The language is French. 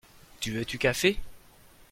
Tu veux tu café ?